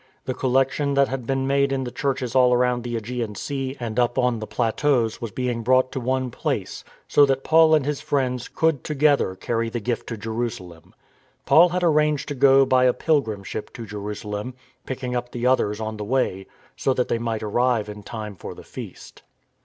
The collection that had been made in the churches all around the ^gean Sea and up on the plateaux was being brought to one place, so that Paul and his friends could together carry the gift to Jerusalem. Paul had arranged to go by a pilgrim ship to Jerusalem, picking up the others on the way so that they might arrive in time for the Feast.